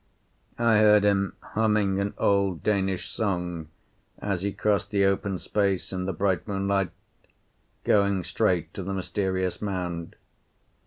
I heard him humming an old Danish song as he crossed the open space in the bright moonlight, going straight to the mysterious mound.